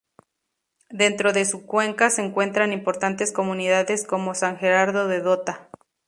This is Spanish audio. Dentro de su cuenca se encuentran importantes comunidades como San Gerardo de Dota.